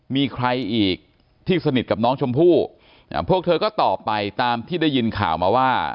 มีใครอีกที่สนิทกับน้องชมพู่พวกเธอก็ตอบไปตามที่ได้ยินข่าวมาว่า